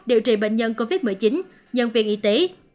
điều trị bệnh nhân covid một mươi chín nhân viên y tế